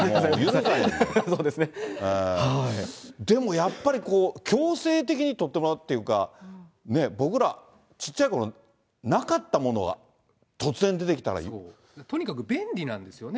でもやっぱり、強制的に取ってもらうっていうか、僕らちっちゃいころ、なかったものは突然出とにかく便利なんですよね。